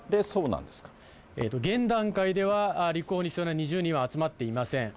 現段階では、立候補に必要な２０人は集まっていません。